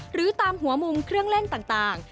หรือตามหัวมุมเครื่องเล่นต่าง